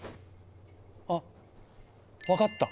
あ分かった。